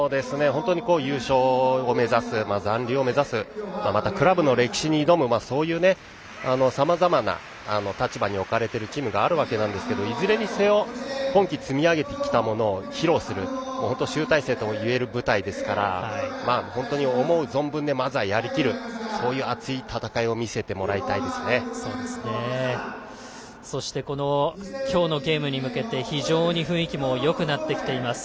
優勝を目指す残留を目指すクラブの歴史に挑むそういうさまざまな立場に置かれているチームがあるわけですがいずれにせよ今季積み上げてきたものを披露する集大成とも言えるゲームですから本当に思う存分やりきるそういう熱い戦いを今日のゲームに向けて雰囲気もよくなってきています。